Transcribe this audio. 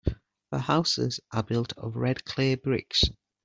The houses are built of red clay bricks.